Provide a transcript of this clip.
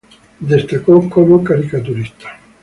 Destacó como caricaturista.